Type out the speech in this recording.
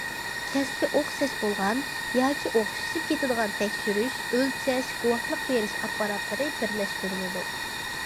كەسپى ئوخشاش بولغان ياكى ئوخشىشىپ كېتىدىغان تەكشۈرۈش، ئۆلچەش، گۇۋاھلىق بېرىش ئاپپاراتلىرى بىرلەشتۈرۈلىدۇ.